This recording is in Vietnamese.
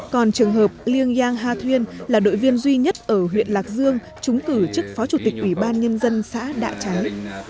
còn trường hợp liêng giang ha thuyên là đội viên duy nhất ở huyện lạc dương trúng cử chức phó chủ tịch ủy ban nhân dân xã đạ trái